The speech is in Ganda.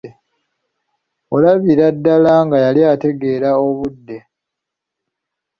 Olabira ddala nga yali ategeera obudde.